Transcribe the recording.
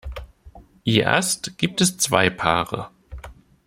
Je Ast gibt es zwei Paare.